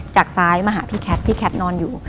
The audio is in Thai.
จากซ้ายมาหาพี่แคทพี่แคทนอนอยู่